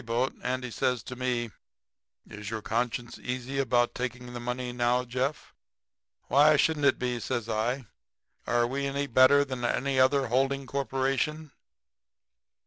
"] "On the ferryboat Andy says to me: 'Is your conscience easy about taking the money now, Jeff?' "'Why shouldn't it be?' says I. 'Are we any better than any other Holding Corporation?'"